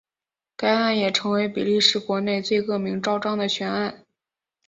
该案也成为比利时国内最恶名昭彰的悬案。